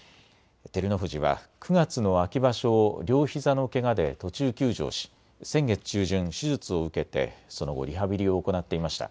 照ノ富士は９月の秋場所を両ひざのけがで途中休場し先月中旬、手術を受けてその後リハビリを行っていました。